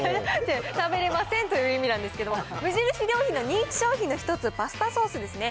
食べれませんという意味なんですけれども、無印良品の人気商品の一つ、パスタソースですね。